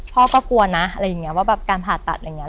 พ่อก็กลัวนะอะไรอย่างนี้ว่าแบบการผ่าตัดอะไรอย่างนี้